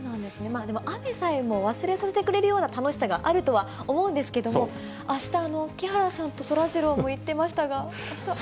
雨さえも忘れさせてくれるような楽しさがあるとは思うんですけども、あした、木原さんとそらジローも言ってましたが。